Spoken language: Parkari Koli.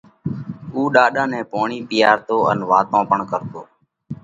اُو ڏاڏا نئہ پوڻِي پِيئارتو ان واتون پڻ ڪرتو۔